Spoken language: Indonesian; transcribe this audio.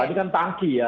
ini kan tangki ya